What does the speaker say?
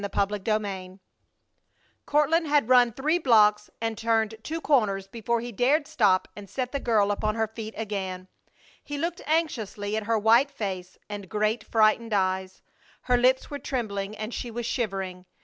CHAPTER XV Courtland had run three blocks and turned two corners before he dared stop and set the girl upon her feet again. He looked anxiously at her white face and great, frightened eyes. Her lips were trembling and she was shivering.